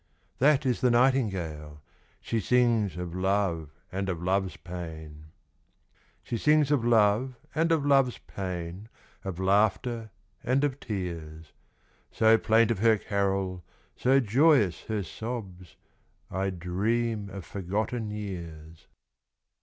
That is the nightingale, she sings, Of love and of love's pain. She sings of love and of love's pain, Of laughter and of tears. So plaintive her carol, so joyous her sobs, I dream of forgotten years.